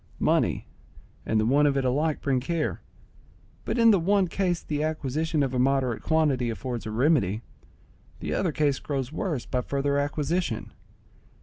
Money and the want of it alike bring care; but in the one case the acquisition of a moderate quantity affords a remedy; the other case grows worse by further acquisition.